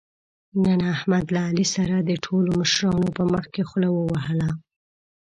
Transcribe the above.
نن احمد له علي سره د ټولو مشرانو په مخکې خوله ووهله.